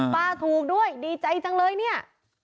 ป้าถูกด้วยดีใจจังเลยเนี่ย